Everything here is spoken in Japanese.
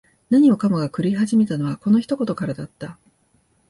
何もかもが狂い始めたのは、この一言からだった。